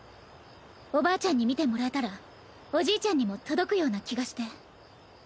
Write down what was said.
おばあちゃんに見てもらえたらおじいちゃんにも届くような気がして。